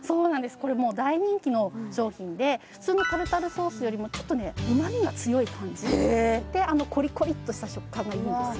これもう大人気の商品で普通のタルタルソースよりもちょっとうまみが強い感じであのコリコリッとした食感がいいんですよ